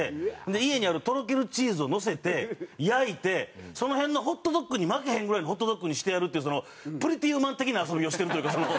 で家にあるとろけるチーズをのせて焼いてその辺のホットドッグに負けへんぐらいのホットドッグにしてやるっていう『プリティ・ウーマン』的な遊びをしてるというかその。